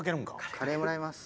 カレーもらいます。